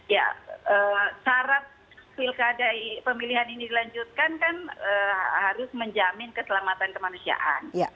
ya syarat pilkada pemilihan ini dilanjutkan kan harus menjamin keselamatan kemanusiaan